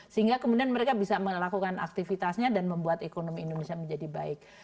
sehingga kemudian mereka bisa melakukan aktivitasnya dan membuat ekonomi indonesia menjadi baik